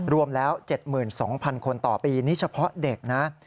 รวมแล้ว๗๒๐๐คนต่อปีนี่เฉพาะเด็กนะ